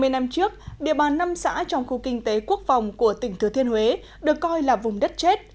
hai mươi năm trước địa bàn năm xã trong khu kinh tế quốc phòng của tỉnh thừa thiên huế được coi là vùng đất chết